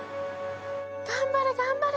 頑張れ頑張れ。